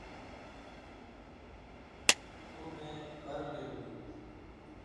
ݜُو مے بَر لیل ہُوئ تھی،